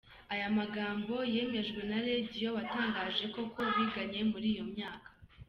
Aya magambo yemejwe na Radio watangaje koko biganye muri iyo myaka.